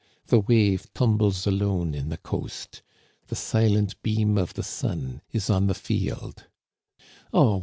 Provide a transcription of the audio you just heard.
The wave tumbles alone in the coast. The silent beam of the sun is on the field/ ^^Oh!